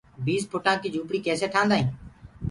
بِيس ڦُٽآنٚ ڪي جُهوپڙي ڪيسي ٺآندآ هينٚ۔